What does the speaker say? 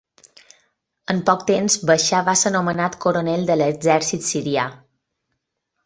En poc temps, Baixar va ser nomenat coronel de l'exèrcit sirià.